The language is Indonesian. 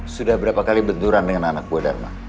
sudah berapa kali berduruan dengan anak gue darman